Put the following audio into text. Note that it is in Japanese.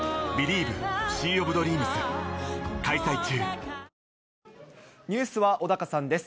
速報ですが、ニュースは小高さんです。